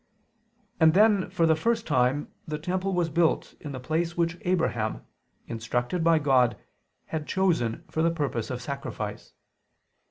And then for the first time the temple was built in the place which Abraham, instructed by God, had chosen for the purpose of sacrifice.